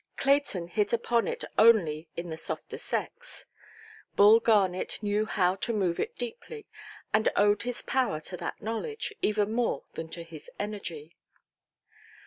Clayton hit upon it only in the softer sex. Bull Garnet knew how to move it deeply, and owed his power to that knowledge, even more than to his energy.